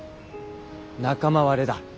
仲間割れだ。